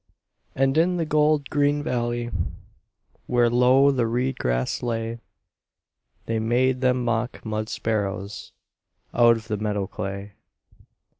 And in the gold green valley, Where low the reed grass lay, They made them mock mud sparrows Out of the meadow clay.